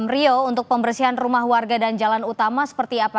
rio untuk pembersihan rumah warga dan jalan utama seperti apa